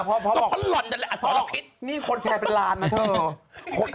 เพราะบอกนี่คนแชร์เป็นล้านนะเถอะ